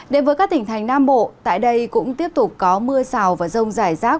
đến với các tỉnh thành nam bộ tại đây cũng tiếp tục có mưa rào và rông rải rác